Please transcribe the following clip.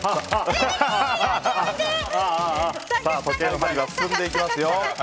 時計の針は進んでいきます。